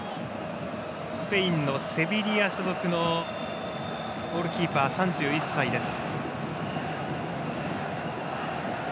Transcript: スペインのセビリア所属のゴールキーパー、３１歳です。